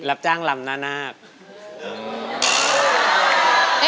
รับจ้างลำหน้านาค